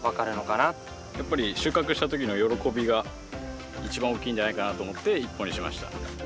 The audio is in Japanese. やっぱり収穫した時の喜びが一番大きいんじゃないかなと思って１本にしました。